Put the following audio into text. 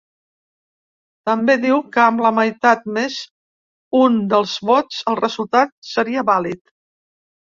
També diu que amb la meitat més un dels vots el resultat seria vàlid.